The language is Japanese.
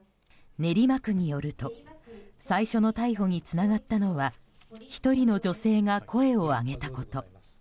練馬区によると最初の逮捕につながったのは１人の女性が声を上げたこと。